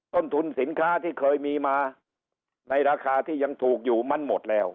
ต้นทุนสินค้าที่เคยมีมาในราคาที่ยังถูกอยู่มันหมดแล้ว